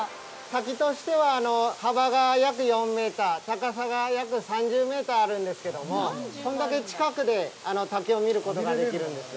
滝としては、幅が約４メートル、高さが約３０メートルあるんですけどもこんだけ近くで滝を見ることができるんです。